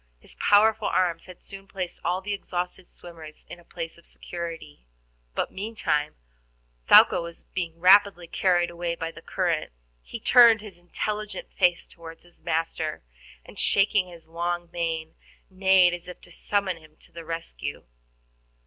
His powerful arms had soon placed all the exhausted swimmers in a place of security. But, meantime, Thaouka was being rapidly carried away by the current. He turned his intelligent face toward his master, and, shaking his long mane, neighed as if to summon him to his rescue.